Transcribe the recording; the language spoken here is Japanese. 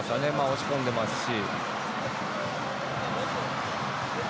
押し込んでますし。